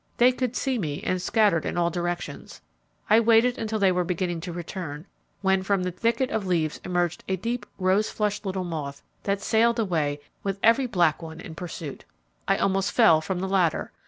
They could see me and scattered in all directions. I waited until they were beginning to return, when from the thicket of leaves emerged a deep rose flushed little moth that sailed away, with every black one in pursuit. I almost fell from the ladder.